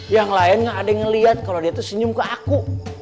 yang lain gak ada yang ngeliat kalau dia tuh senyum ke aku